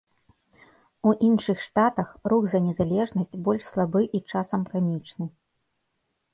У іншыя штатах рух за незалежнасць больш слабы і часам камічны.